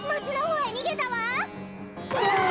うわ！